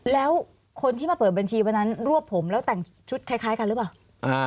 แล้วคนที่มาเปิดบัญชีวันนั้นรวบผมแล้วแต่งชุดคล้ายกันหรือเปล่า